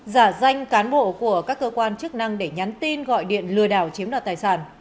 giả danh cán bộ của các cơ quan chức năng để nhắn tin gọi điện lừa đảo chiếm đoạt tài sản